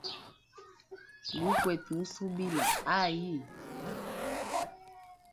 Gukwete musubila hayi.